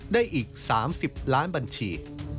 ได้อีก๓๐ล้านบัญชี